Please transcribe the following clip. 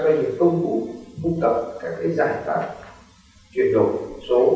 các doanh nghiệp công cụ phung tập các giải pháp chuyển đổi số